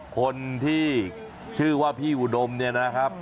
คนที่ชื่อว่าพี่อุดมเนี่ยนะครับ